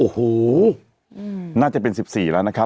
โอ้โหน่าจะเป็น๑๔แล้วนะครับ